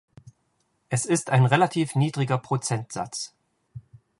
Es ist ein relativ niedriger Prozentsatz.